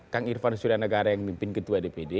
kang irfan surianegara yang mimpin ketua dpd